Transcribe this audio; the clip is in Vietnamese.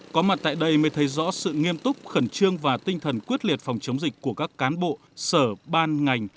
có mặt tại đây mới thấy rõ sự nghiêm túc khẩn trương và tinh thần quyết liệt phòng chống dịch của các cán bộ sở ban ngành